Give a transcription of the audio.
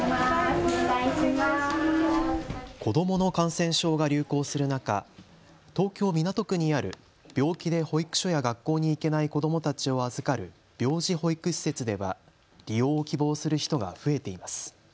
子どもの感染症が流行する中、東京港区にある病気で保育所や学校に行けない子どもたちを預かる病児保育施設では利用を希望する人が増えています。